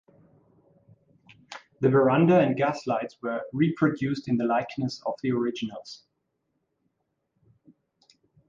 The veranda and gas lights were reproduced in the likeness of the originals.